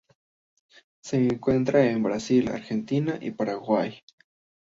Se encuentra en Brasil, Argentina y Paraguay.